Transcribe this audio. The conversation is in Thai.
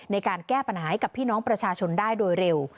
ในการแก้ปัญหาให้กับพี่น้องประชาชนได้โดยเร็ว